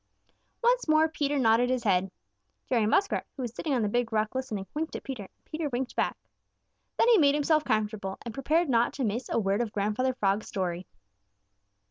Once more Peter nodded his head. Jerry Muskrat, who was sitting on the Big Rock, listening, winked at Peter, and Peter winked back. Then he made himself comfortable and prepared not to miss a word of Grandfather Frog's story.